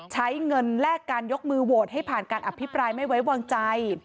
ใช้เงินแลกการยกมือโหวตให้ผ่านการอภิปรายไม่ไว้วางใจ